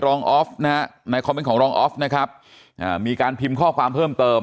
ออฟนะฮะในคอมเมนต์ของรองออฟนะครับมีการพิมพ์ข้อความเพิ่มเติม